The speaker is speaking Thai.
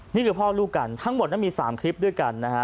นี่คือพ่อลูกกันทั้งหมดนั้นมี๓คลิปด้วยกันนะฮะ